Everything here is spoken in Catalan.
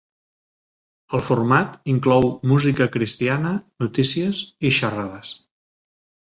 El format inclou música cristiana, notícies i xerrades.